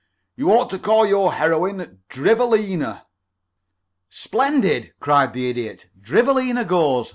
You ought to call your heroine Drivelina." "Splendid!" cried the Idiot. "Drivelina goes.